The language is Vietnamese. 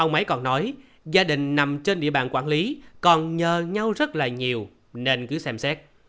máy còn nói gia đình nằm trên địa bàn quản lý còn nhờ nhau rất là nhiều nên cứ xem xét